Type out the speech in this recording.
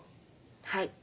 はい。